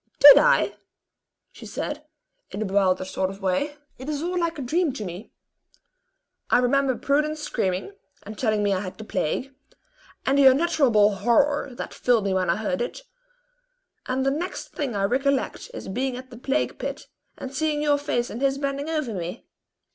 "Did I?" she said, in a bewildered sort of way. "It is all like a dream to me. I remember Prudence screaming, and telling me I had the plague, and the unutterable horror that filled me when I heard it; and then the next thing I recollect is, being at the plague pit, and seeing your face and his bending over me.